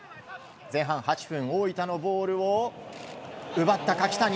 前半８分、大分のゴールを奪った柿谷。